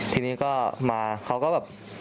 ทีนี้ก็มาเขาก็แบบ